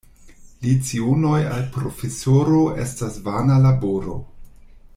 Lecionoj al profesoro estas vana laboro.